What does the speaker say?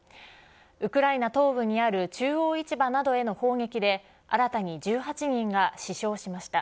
ウクライナ東部にある中央市場などへの砲撃で新たに１８人が死傷しました。